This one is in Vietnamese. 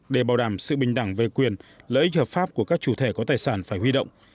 để bảo đảm sự bình đẳng về quyền lợi ích hợp pháp của các chủ thể có tài sản phải huy động